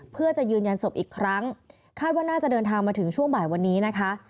เพื่อจะยืนยันศพอีกครั้งคาดว่าน่าจะเดินทางมาถึงช่วงบ่ายวันนี้นะคะ